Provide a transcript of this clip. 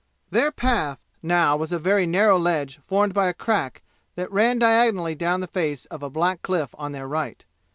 Their path now was a very narrow ledge formed by a crack that ran diagonally down the face of a black cliff on their right.